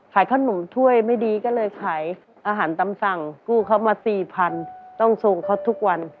ขายขนมถ้วยไม่ดีก็เลยขายอาหารตำสั่งกู้เขามาสี่พันต้องส่งเขาทุกวัน